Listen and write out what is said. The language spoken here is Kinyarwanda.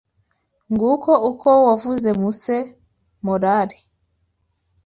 Nguko uko wavuze Muse morale